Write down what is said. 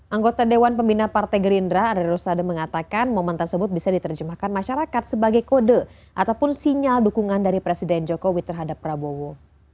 anggota dewan pembina partai gerindra andre rosada mengatakan momen tersebut bisa diterjemahkan masyarakat sebagai kode ataupun sinyal dukungan dari presiden jokowi terhadap prabowo